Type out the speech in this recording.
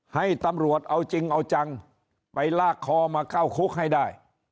ให้ตำรวจเอาจริงเอาจังไปลากคอมาเข้าคุกให้ได้